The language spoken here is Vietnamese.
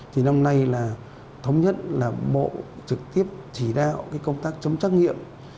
thì năm nay là thống nhất là bộ trực tiếp chỉ đạo cái công tác chấm trắc nghiệm